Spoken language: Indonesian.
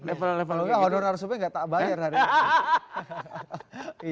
kalau gak honor harusnya enggak bayar hari ini